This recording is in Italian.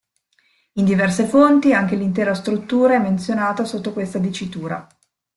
In diverse fonti anche l'intera struttura è menzionata sotto questa dicitura.